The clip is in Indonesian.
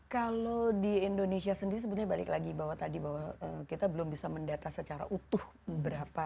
kalau di indonesia sendiri sebenarnya balik lagi bahwa tadi bahwa kita belum bisa mendata secara utuh berapa